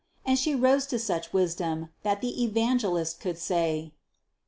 And She rose to such wisdom, that the Evangelist could say : 301.